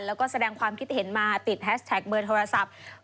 แล้วก็แสดงความคิดเห็นมาติดแฮชแท็กเบอร์โทรศัพท์